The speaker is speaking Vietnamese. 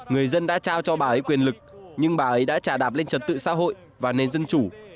người dân đã trao cho bà ấy quyền lực nhưng bà ấy đã trà đạp lên trật tự xã hội và nền dân chủ